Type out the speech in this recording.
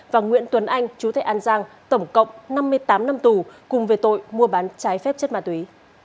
và nguyễn tuấn anh chú thầy an giang tổng cộng năm mươi tám năm tù cùng về tội mua bán trái phép chất ma túy